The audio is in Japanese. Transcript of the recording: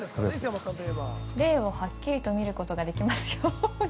霊をはっきりと見ることができますように。